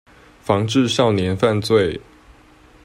防治少年犯罪